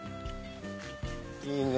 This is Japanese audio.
いいね！